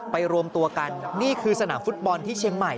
รวมตัวกันนี่คือสนามฟุตบอลที่เชียงใหม่